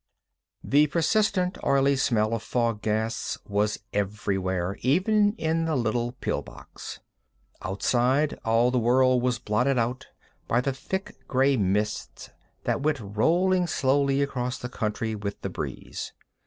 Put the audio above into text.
The persistent, oily smell of fog gas was everywhere, even in the little pill box. Outside, all the world was blotted out by the thick gray mist that went rolling slowly across country with the breeze.